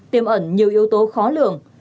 tiêm ẩn nhiều yếu tố khó lường